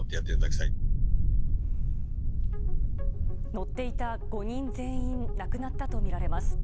乗っていた５人全員亡くなったとみられます。